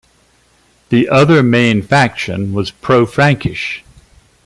The other main faction was pro-Frankish.